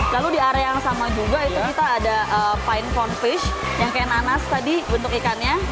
lalu di area yang sama juga itu kita ada fine phone fish yang kayak nanas tadi bentuk ikannya